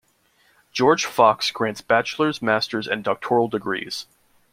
George Fox grants bachelor's, master's, and doctoral degrees.